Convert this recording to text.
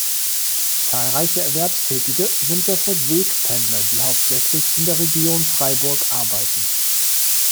Zahlreiche Erwerbstätige sind deshalb Wegpendler, die hauptsächlich in der Region Freiburg arbeiten.